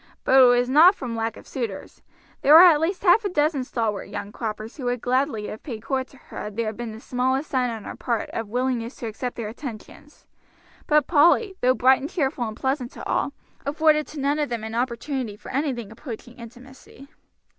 But it was not from lack of suitors. There were at least half a dozen stalwart young croppers who would gladly have paid court to her had there been the smallest sign on her part of willingness to accept their attentions; but Polly, though bright and cheerful and pleasant to all, afforded to none of them an opportunity for anything approaching intimacy.